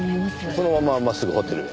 そのまま真っすぐホテルへ？